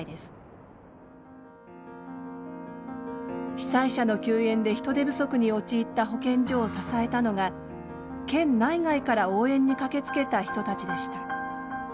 被災者の救援で人手不足に陥った保健所を支えたのが県内外から応援に駆けつけた人たちでした。